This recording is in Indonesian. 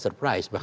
saya tidak surprise